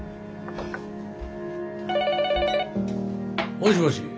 ☎もしもし？